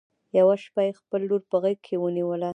يوه شېبه يې خپله لور په غېږ کې ونيوله.